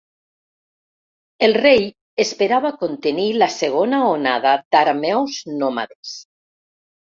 El rei esperava contenir la segona onada d'arameus nòmades.